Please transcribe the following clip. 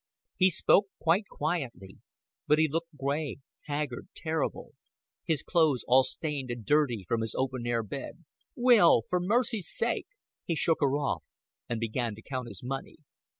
He spoke quite quietly, but he looked gray, haggard, terrible, his clothes all stained and dirty from his open air bed. "Will, for mercy's sake " He shook her off, and began to count his money.